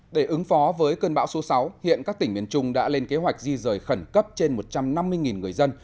để ứng phó với cơn bão số sáu hiện các tỉnh miền trung đã lên kế hoạch di rời khẩn cấp trên một trăm năm mươi người dân